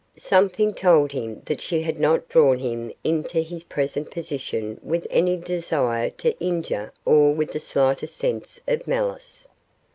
Something told him that she had not drawn him into his present position with any desire to injure or with the slightest sense of malice.